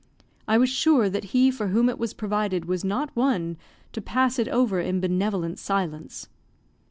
I was sure that he for whom it was provided was not one to pass it over in benevolent silence.